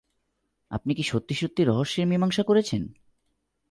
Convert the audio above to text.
আপনি কি সত্যি-সত্যি রহস্যের মীমাংসা করেছেন?